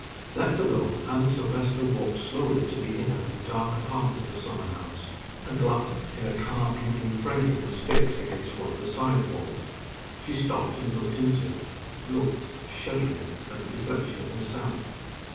Left alone, Anne Silvester walked slowly to the inner and darker part of the summer house. A glass, in a carved wooden frame, was fixed against one of the side walls. She stopped and looked into it looked, shuddering, at the reflection of herself.